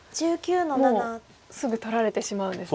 もうすぐ取られてしまうんですね。